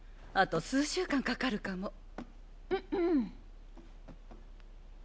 あと数週間かかるかも。